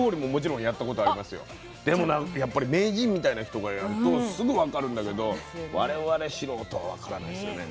でもやっぱり名人みたいな人がやるとすぐ分かるんだけど我々素人は分からないですよね